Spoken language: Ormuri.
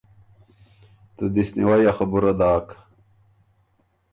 ته دِست نیوئ ا خبُره داک۔